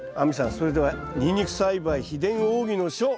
それではニンニク栽培「秘伝奥義の書」